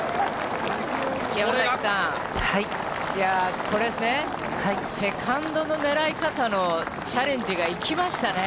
山崎さん、いやー、これですね、セカンドの狙い方のチャレンジが生きましたね。